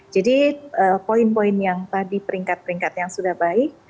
jadi poin poin yang tadi peringkat peringkat yang sudah baik